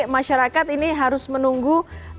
masyarakat ini harus menunggu